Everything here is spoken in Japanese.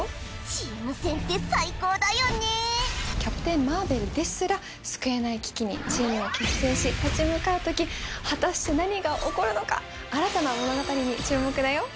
チーム戦って最高だよねキャプテン・マーベルですら救えない危機にチームを結成し立ち向かうとき果たして何が起こるのか新たな物語に注目だよ